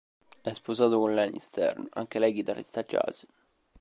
È sposato con Leni Stern, anche lei chitarrista jazz.